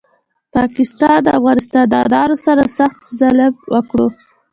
پاکستاد د افغانستان دانارو سره سخت ظلم وکړو